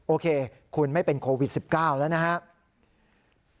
โอเคคุณไม่เป็นโควิด๑๙แล้วนะครับ